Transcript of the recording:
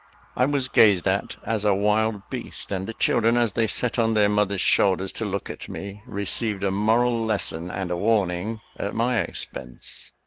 I was gazed at as a wild beast; and the children, as they sat on their mothers' shoulders to look at me, received a moral lesson and a warning at my expense.